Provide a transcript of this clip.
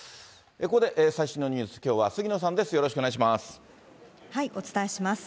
ここで最新のニュース、きょうは杉野さんです。